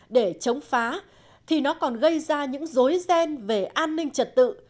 để chống phá thì nó còn gây ra những dối ghen về an ninh trật tự